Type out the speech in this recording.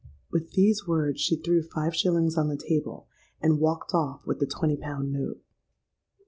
'—With these words she threw five shillings on the table, and walked off with the twenty pound note.